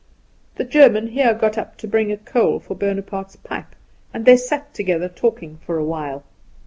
The German here got up to bring a coal for Bonaparte's pipe, and they sat together talking for a while.